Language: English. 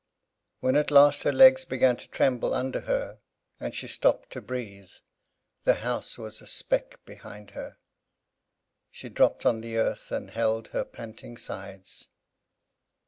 When at last her legs began to tremble under her, and she stopped to breathe, the house was a speck behind her. She dropped on the earth, and held her panting sides.